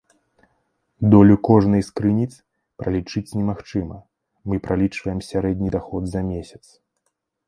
Долю кожнай з крыніц пралічыць немагчыма, мы пралічваем сярэдні даход за месяц.